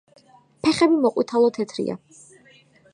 ფეხები მოყვითალო თეთრია.